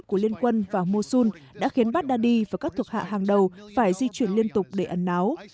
của liên quân và mussol đã khiến baghdadi và các thuộc hạ hàng đầu phải di chuyển liên tục để ẩn náo